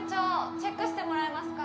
チェックしてもらえますか？